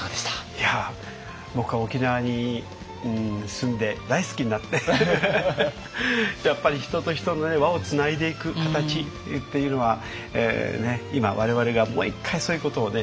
いや僕は沖縄に住んで大好きになってやっぱり人と人の輪をつないでいく形っていうのは今我々がもう一回そういうことをね